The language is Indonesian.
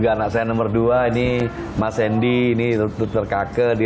kita harus berhati hati